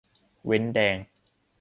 เว้นแดง